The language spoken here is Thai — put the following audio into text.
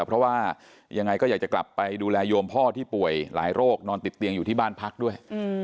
เพราะว่ายังไงก็อยากจะกลับไปดูแลโยมพ่อที่ป่วยหลายโรคนอนติดเตียงอยู่ที่บ้านพักด้วย